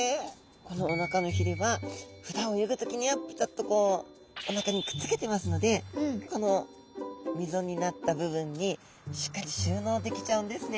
このおなかのひれはふだん泳ぐ時にはピタッとこうおなかにくっつけてますのでこの溝になった部分にしっかり収納できちゃうんですね。